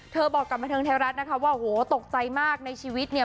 เธอบอกกับบันเทิงธรรมิตรนะคะว่าโหตกใจมากในชีวิตเนี้ย